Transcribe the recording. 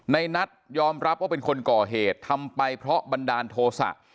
นัทยอมรับว่าเป็นคนก่อเหตุทำไปเพราะบันดาลโทษะ